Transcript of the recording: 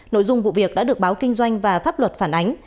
nội dung vụ việc đã được báo kinh doanh và pháp luật phản ánh